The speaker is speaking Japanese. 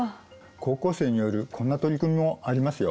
高校生によるこんな取り組みもありますよ。